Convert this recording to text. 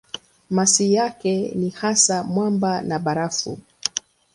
Masi yake ni hasa mwamba na barafu.